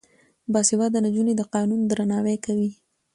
باسواده نجونې د قانون درناوی کوي.